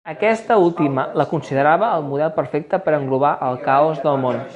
Aquesta última la considerava el model perfecte per englobar el caos del món.